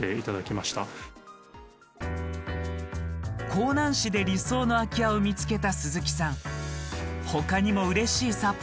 香南市で理想の空き家を見つけた鈴木さん。